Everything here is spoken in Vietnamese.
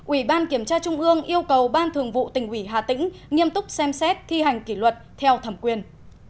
ủy ban kiểm tra trung ương yêu cầu ban thường vụ tỉnh ủy hà tĩnh nghiêm túc xem xét thi hành kỷ luật theo thẩm quyền